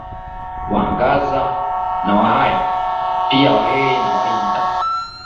Wahangaza na Wahaya pia Wahehe na Wahinda